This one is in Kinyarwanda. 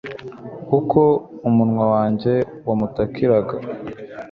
Uko umunwa wanjye wamutakiraga